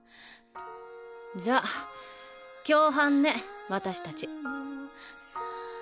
じゃあ共犯ね私たち。